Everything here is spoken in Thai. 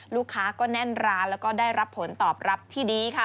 ลูกค้าก็แน่นร้านแล้วก็ได้รับผลตอบรับที่ดีค่ะ